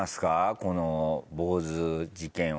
この坊主事件は。